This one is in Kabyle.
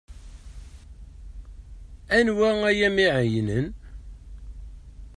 Anwa ay am-iɛeyynen?